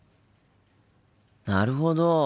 なるほど。